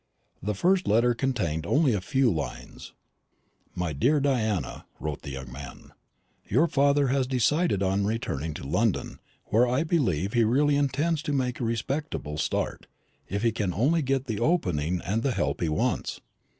The first letter contained only a few lines. "MY DEAR DIANA," wrote the young man, "your father has decided on returning to London, where I believe he really intends to make a respectable start, if he can only get the opening and the help he wants.